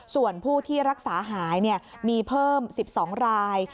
ส่วนผู้ที่รักษาหายมีเพิ่ม๑๒ราย